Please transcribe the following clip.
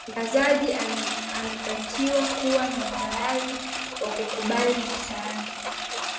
mtangazaji anatakiwa kuwa na utayari wa kukubali makosa yake